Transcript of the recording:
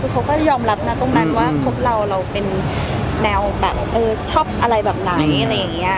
คือเขาก็ยอมรับนะตรงนั้นว่าพวกเราเราเป็นแนวแบบเออชอบอะไรแบบไหนอะไรอย่างนี้